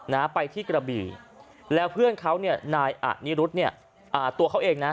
นะไปที่กระบี่แล้วเพื่อนเขาเนี่ยนายอะนิรุธเนี่ยอ่าตัวเขาเองนะ